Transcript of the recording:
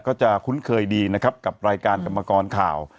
คุ้นเคยดีนะครับกับรายการกรรมกรข่าว